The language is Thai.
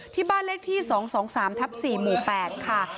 ที่บ้านเลขที่๒๒๓ทับ๔หมู่๘ค่ะ